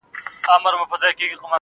ه ما يې هر وختې په نه خبره سر غوښتی دی_